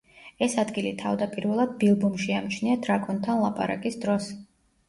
ეს ადგილი თავდაპირველად ბილბომ შეამჩნია დრაკონთან ლაპარაკის დროს.